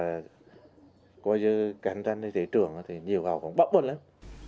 và coi như cạnh tranh thế trưởng thì nhiều họ còn bóc buồn lắm